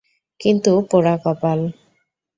কিন্তু পোড়া কপাল!